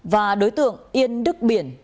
và đối tượng yên đức biển